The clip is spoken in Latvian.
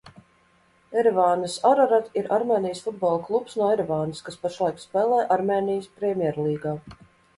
"Erevānas "Ararat" ir Armēnijas futbola klubs no Erevānas, kas pašlaik spēlē Armēnijas Premjerlīgā."